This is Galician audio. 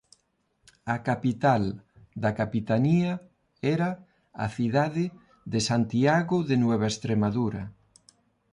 A capital da Capitanía era a cidade de Santiago de Nueva Extremadura.